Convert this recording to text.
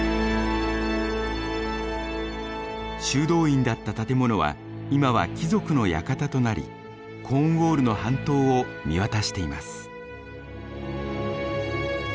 修道院だった建物は今は貴族の館となりコーンウォールの半島を見渡しています。